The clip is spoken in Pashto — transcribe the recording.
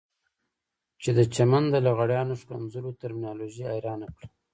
چې د چمن د لغړیانو ښکنځلو ترمینالوژي حيرانه کړه.